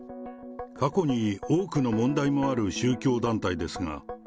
過去に多くの問題もある宗教団体ですが。